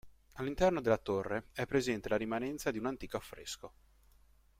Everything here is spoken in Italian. All'interno della torre è presente la rimanenza di un antico affresco.